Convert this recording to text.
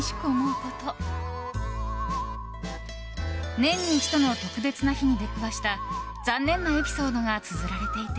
年に一度の特別な日に出くわした残念なエピソードがつづられていて。